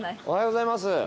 おはようございます。